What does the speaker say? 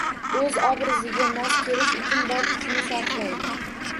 O‘z obraziga mos kelish uchun bor kuchini sarflaydi.